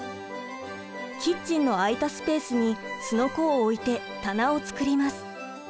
キッチンの空いたスペースにすのこを置いて棚を作ります。